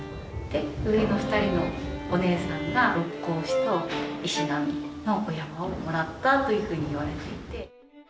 で上の２人のお姉さんが六角牛と石神のお山をもらったというふうに言われていて。